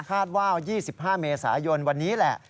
คาดว่า๒๕เมษายนวันนี้แหละ